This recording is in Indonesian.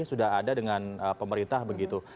sudah ada dengan pemerintah begitu